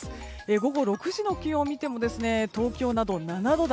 午後６時の気温を見ても東京など７度台。